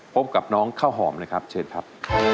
พบกับน้องข้าวหอมเลยครับเชิญครับ